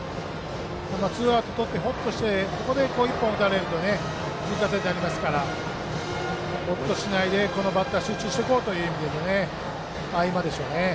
ツーアウトとって、ほっとしてここで１本打たれると追加点になりますからほっとしないでバッターに集中していこうという合間なんでしょうね。